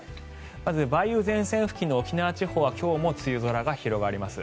まず、梅雨前線付近の沖縄地方は今日も梅雨空が広がります。